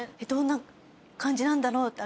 「どんな感じなんだろう？